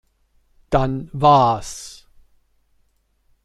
Dann was?